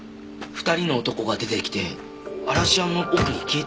２人の男が出てきて嵐山の奥に消えていったんです。